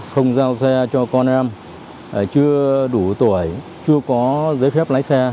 không giao xe cho con em chưa đủ tuổi chưa có giấy phép lái xe